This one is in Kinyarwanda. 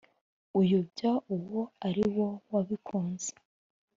uyobya uwo ari wo wabikunze